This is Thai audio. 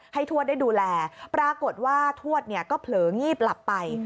ทวดได้ดูแลปรากฏว่าทวดเนี่ยก็เผลองีบหลับไป